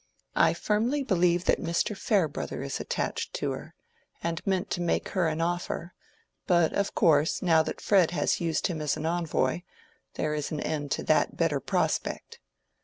"I firmly believe that Mr. Farebrother is attached to her, and meant to make her an offer; but of course, now that Fred has used him as an envoy, there is an end to that better prospect."